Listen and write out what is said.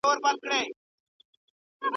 دایمي ژوندون